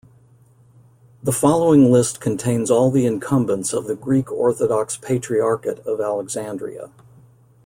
The following list contains all the incumbents of the Greek Orthodox Patriarchate of Alexandria.